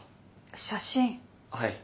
はい。